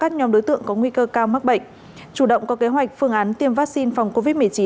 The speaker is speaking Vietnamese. các nhóm đối tượng có nguy cơ cao mắc bệnh chủ động có kế hoạch phương án tiêm vaccine phòng covid một mươi chín